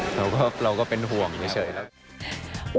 คือชวนเขากินด้วยเราก็เป็นหวังแค่เฉยแล้ว